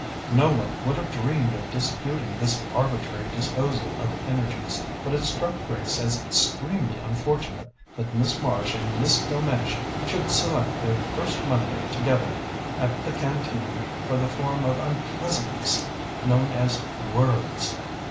No one would have dreamed of disputing this arbitrary disposal of energies, but it struck Grace as extremely unfortunate that Miss Marsh and Miss Delmege should select their first Monday together at the Canteen for the form of unpleasantness known as "words."